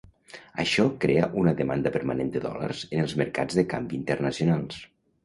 Això crea una demanda permanent de dòlars en els mercats de canvi internacionals.